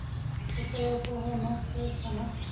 ـ خو ته یې پوهه نه کړې کنه!